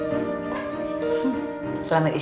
bener kayak gitu aja bu